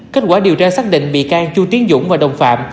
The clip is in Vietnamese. kết quả điều tra xác định bị can chu tiến dũng và đồng phạm